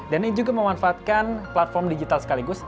dan ini juga memanfaatkan platform digital sekaligus